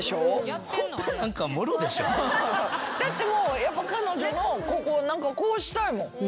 だってやっぱ彼女のこここうしたいもん。